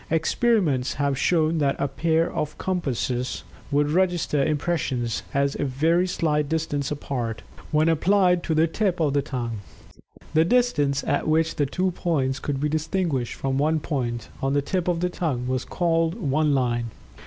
Experiments have shown that a pair of compasses would register impressions as a very slight distance apart when applied to the tip of the tongue. The distance at which the two points could be distinguished from one point, on the tip of the tongue, was called "one line."